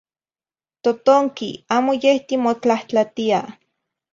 Totonqui, amo yeh timotlahtlatia